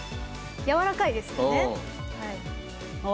やわらかいですよね。